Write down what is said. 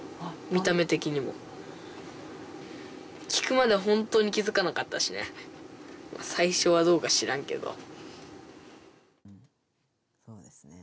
見た目的にも聞くまで本当に気づかなかったしね最初はどうか知らんけどうんそうですね